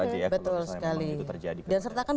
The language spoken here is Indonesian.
aja ya betul sekali dan sertakan